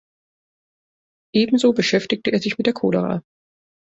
Ebenso beschäftigte er sich mit der Cholera.